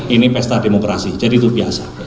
ini pesta demokrasi jadi itu biasa